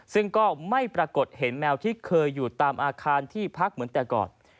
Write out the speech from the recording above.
ซึ่งก็ไม่ปรากฏเห็นแมวที่เคยอยู่ตามอาคารที่พักเหมือนแต่ก่อน